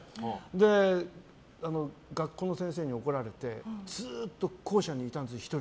で、学校の先生に怒られてずっと校舎に１人でいたんです。